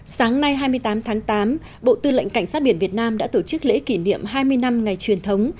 sáng nay hai mươi tám tháng tám bộ tư lệnh cảnh sát biển việt nam đã tổ chức lễ kỷ niệm hai mươi năm ngày truyền thống